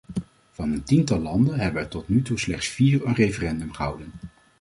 Van een tiental landen hebben er tot nu toe slechts vier een referendum gehouden.